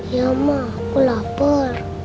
ya ma aku lapar